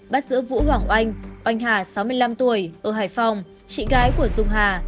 bắt giữ vũ hoàng oanh oanh hà sáu mươi năm tuổi ở hải phòng chị gái của dung hà